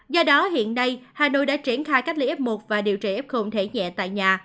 do đó hiện nay hà nội đã triển khai cách ly f một và điều trị f thể nhẹ tại nhà